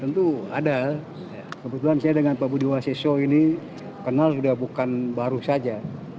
tentu ada kebetulan saya dengan pak budi waseso ini kenal sudah bukan baru saja